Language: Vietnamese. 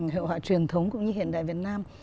hội họa truyền thống cũng như hiện đại việt nam